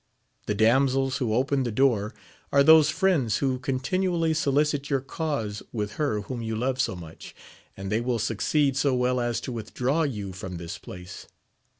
The damsels who opened the door, are those friends who continually solicit your cause with her whom you love so much, and they will succeed so well as to withdraw you from this place.